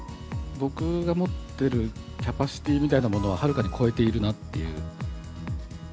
僕が持ってるキャパシティーみたいなものははるかに超えているなっていう。